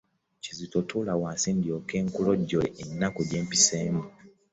Kizito tuula wansi ndyoke nkulojere ennaku gyempisemu.